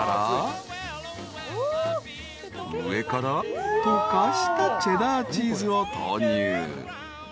［上から溶かしたチェダーチーズを投入］